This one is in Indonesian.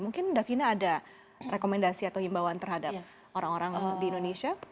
mungkin davina ada rekomendasi atau himbauan terhadap orang orang di indonesia